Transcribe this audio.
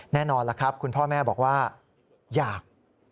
แน่นอนล่ะครับคุณพ่อแม่บอกว่าอยาก